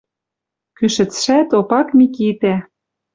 Кӱшӹцшӓт Опак Микитӓ